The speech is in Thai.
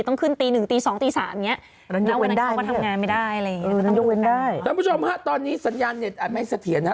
สมมุติสมมุติ๔ก็ได้นะ